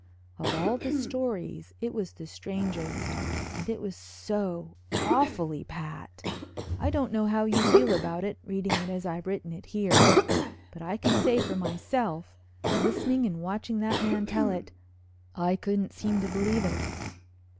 Of all the stories it was the strangest and it was so awfully pat. I don't know how you feel about it, reading it as I've written it here, but I can say for myself, listening and watching that man tell it, I couldn't seem to believe it.